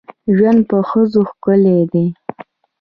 ژوند په ښځو ښکلی ده.